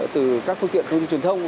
từ các phương tiện thông tin truyền thông